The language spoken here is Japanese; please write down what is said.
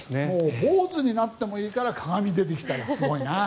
坊主になってもいいから鏡、出てきたらすごいな。